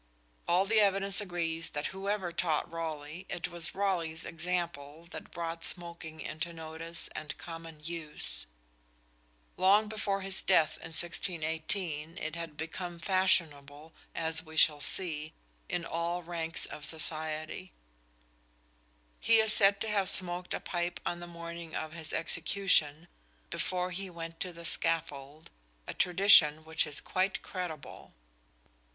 All the evidence agrees that whoever taught Raleigh, it was Raleigh's example that brought smoking into notice and common use. Long before his death in 1618 it had become fashionable, as we shall see, in all ranks of society. He is said to have smoked a pipe on the morning of his execution, before he went to the scaffold, a tradition which is quite credible.